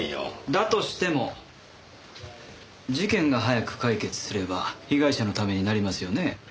だとしても事件が早く解決すれば被害者のためになりますよね。